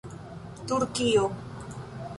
turkio